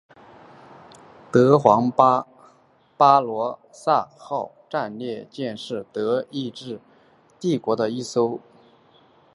德皇巴巴罗萨号战列舰是德意志帝国的一艘德皇腓特烈三世级前无畏战列舰。